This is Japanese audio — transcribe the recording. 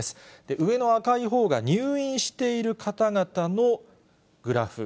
上の赤いほうが入院している方々のグラフ。